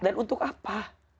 dan untuk apa